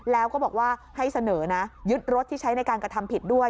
แล้วก็บอกว่าให้เสนอนะยึดรถที่ใช้ในการกระทำผิดด้วย